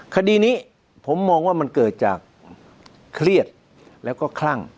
คดีนี้ผมมองว่ามันเกิดจากเครียดแล้วก็คลั่ง